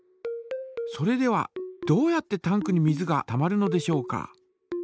それではどうやってタンクに水がたまるのでしょうか。